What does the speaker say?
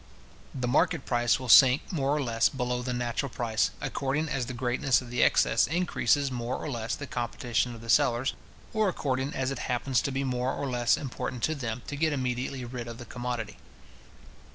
The market price will sink more or less below the natural price, according as the greatness of the excess increases more or less the competition of the sellers, or according as it happens to be more or less important to them to get immediately rid of the commodity.